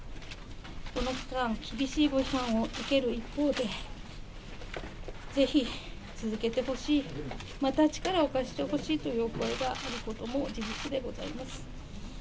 この間、厳しいご批判を受ける一方で、ぜひ続けてほしい、また力を貸してほしいというお声があることも事実でございます。